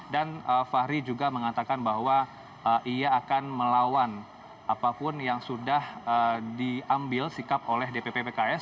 dan fahri juga mengatakan bahwa ia akan melawan apapun yang sudah diambil sikap oleh dpp pks